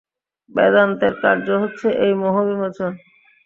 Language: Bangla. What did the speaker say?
বেদান্তের কার্য হচ্ছে এই মোহ-বিমোচন।